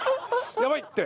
やばい！って。